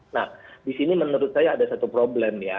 nah disini menurut saya ada satu problem ya